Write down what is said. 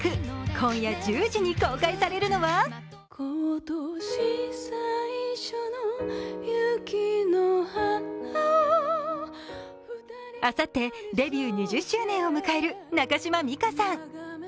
今夜１０時に公開されるのはあさってデビュー２０周年を迎える中島美嘉さん。